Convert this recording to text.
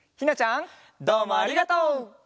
どうもありがとう。